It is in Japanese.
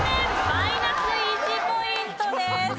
マイナス１ポイントです。